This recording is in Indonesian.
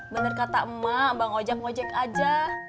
bener kata emak bang ojak ng'ojek aja